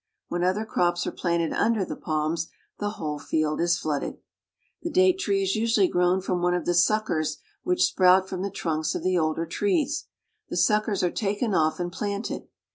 When other crops are planted under the palms, the whole field is flooded. The date tree is usually grown from one of the suckers which sprout from the trunks of the older trees. The suckers are taken off and planted.